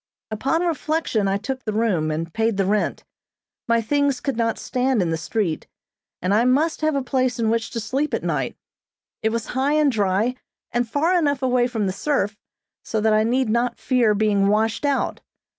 Upon reflection, I took the room, and paid the rent. My things could not stand in the street, and I must have a place in which to sleep at night. It was high and dry, and far enough away from the surf, so that I need not fear being washed out.